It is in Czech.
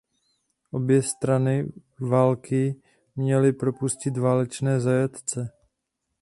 Obě strany války měly propustit válečné zajatce.